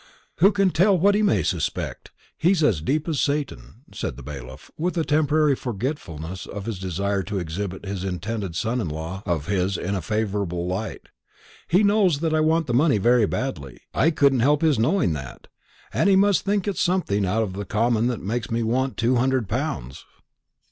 "Who can tell what he may suspect? He's as deep as Satan," said the bailiff, with a temporary forgetfulness of his desire to exhibit this intended son in law of his in a favourable light. "He knows that I want the money very badly; I couldn't help his knowing that; and he must think it's something out of the common that makes me want two hundred pounds."